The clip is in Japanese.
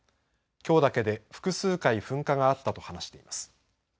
きょうだけで複数回噴火があったと話しています。